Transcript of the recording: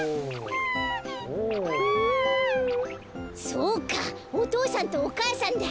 そうかおとうさんとおかあさんだ。